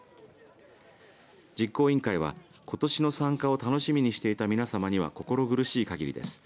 実行委員会は、ことしの参加を楽しみにしていた皆様には心苦しい限りです。